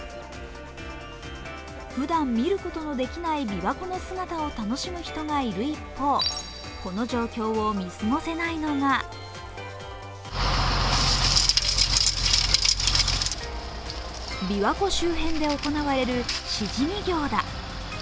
ふだん見ることのできないびわ湖の姿を楽しむ人がいる一方、この状況を見過ごせないのがびわ湖周辺で行われるシジミ漁だ。